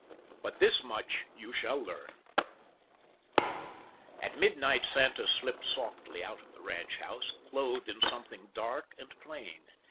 But this much you shall learn: At midnight Santa slipped softly out of the ranch house, clothed in something dark and plain.